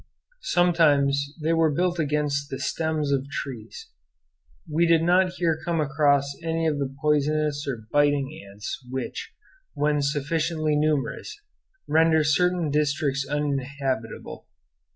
Sometimes they were built against the stems of trees. We did not here come across any of the poisonous or biting ants which, when sufficiently numerous, render certain districts uninhabitable.